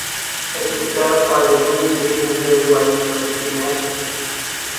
It is served by the Blue, Green and Red Lines, of TriMet.